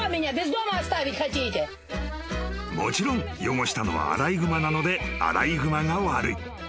［もちろん汚したのはアライグマなのでアライグマが悪い］